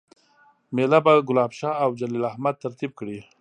میله به ګلاب شاه اوجلیل احمد ترتیب کړي